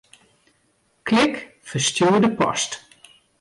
Klik Ferstjoerde post.